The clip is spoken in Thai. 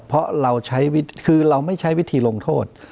เพราะเราไม่ใช้วิธีลงโทษ